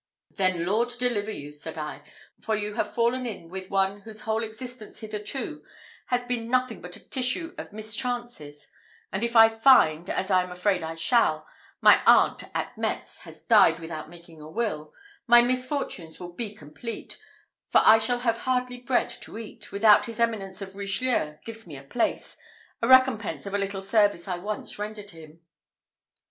"Then, Lord deliver you!" said I, "for you have fallen in with one whose whole existence hitherto has been nothing but a tissue of mischances; and if I find, as I am afraid I shall, my aunt at Metz has died without making a will, my misfortunes will be complete; for I shall have hardly bread to eat, without his Eminence of Richelieu gives me a place, in recompence of a little service I once rendered him."